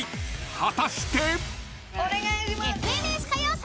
［果たして？］